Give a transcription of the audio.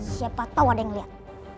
siapa tau ada yang liat